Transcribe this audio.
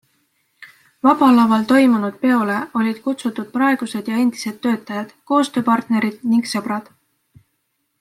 Vaba Laval toimunud peole olid kutsutud praegused ja endised töötajad, koostööpartnerid ning sõbrad.